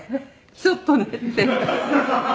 「ちょっとね」って。